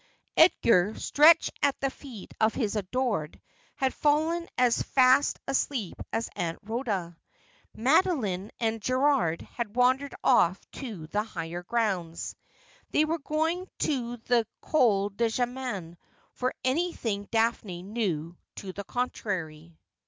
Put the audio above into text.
Edgar, stretched at the feet of his adored, had fallen as fast asleep as Aunt Rhoda. Madoline and Gerald had wandered ofE to the higher grounds. They were going to the Col du Jaman for anything Daphne knew to the contrary.